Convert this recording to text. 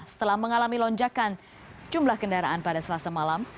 setelah mengalami lonjakan jumlah kendaraan pada selasa malam